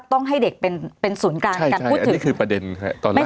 ต้องให้เด็กเป็นเป็นศูนย์การการพูดถึงใช่ใช่อันนี้คือประเด็นค่ะตอนล่าง